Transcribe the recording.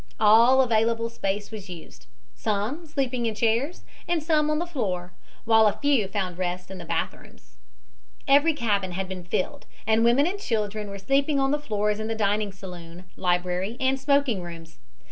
All available space was used, some sleeping in chairs and some on the floor, while a few found rest in the bathrooms. Every cabin had been filled, and women and children were sleeping on the floors in the dining saloon, library and smoking rooms.